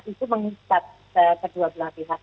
itu mengikat kedua belah pihak